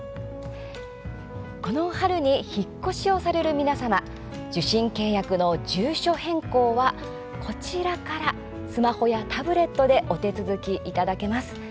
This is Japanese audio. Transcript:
この春に引っ越しをされる皆様受信契約の住所変更はこちらからスマホやタブレットでお手続きいただけます。